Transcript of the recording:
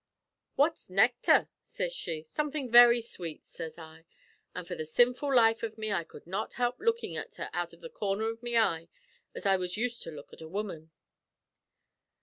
"'What's necthar?' sez she. "'Somethin' very sweet,' sez I; an' for the sinful life av me I cud not help lookin' at her out av the corner av my eye, as I was used to look at a woman.